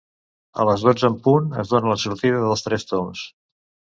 A les dotze en punt es dóna la sortida dels Tres Tombs.